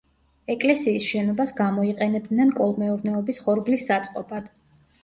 ეკლესიის შენობას გამოიყენებდნენ კოლმეურნეობის ხორბლის საწყობად.